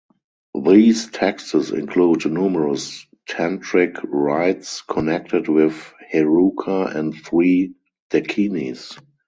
These texts include numerous tantric rites connected with Heruka and three Dakinis.